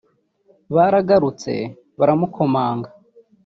baragarutse baramukomanga